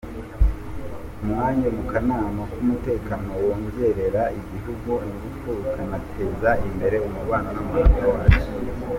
Umwanya mu Kanama k’Umutekano wongerera igihugu ingufu ukanateza imbere umubano n’amahanga wacyo.